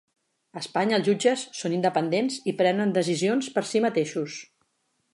A Espanya els jutges són independents i prenen decisions per si mateixos.